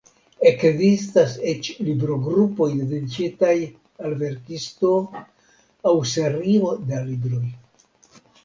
Ekzistas eĉ librogrupoj dediĉitaj al verkisto aŭ serio da libroj.